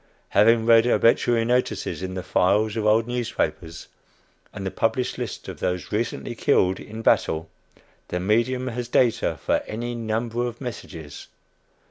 Having read obituary notices in the files of old newspapers, and the published list of those recently killed in battle, the medium has data for any number of "messages."